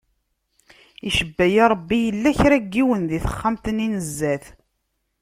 Icebba-yi Ṛebbi yella kra n yiwen di texxamt-nni n zdat.